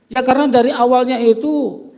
ya karena dari awalnya itu